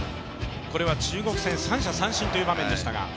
これは中国戦三者三振という内容でしたが。